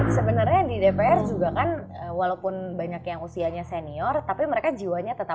sebenarnya di dpr juga kan walaupun banyak yang usianya senior tapi mereka jiwanya tetap